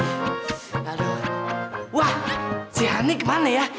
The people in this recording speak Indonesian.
aduh si hany kemana ya